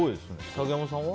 竹山さんは？